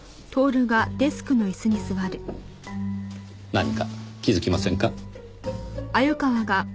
何か気づきませんか？